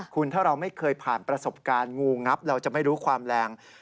คุณถ้าเราไม่เคยผ่านประสบการณ์งูงับเราจะไม่รู้ความแรง